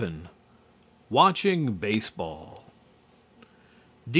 VII WATCHING BASEBALL D.